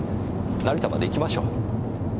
成田まで行きましょう。